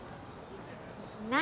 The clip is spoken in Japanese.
何？